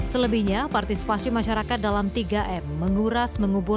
selebihnya partisipasi masyarakat dalam tiga m